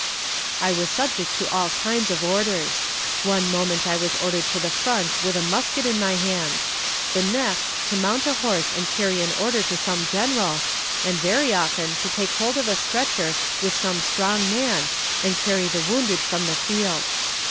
I was subject to all kinds of orders. One moment I was ordered to the front with a musket in my hands; the next to mount a horse and carry an order to some general, and very often to take hold of a stretcher with some strong man and carry the wounded from the field.